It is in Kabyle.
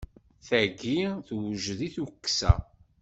Tayi tewjed i tukksa.